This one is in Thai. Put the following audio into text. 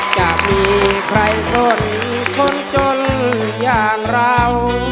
จะมีใครสนคนจนอย่างเรา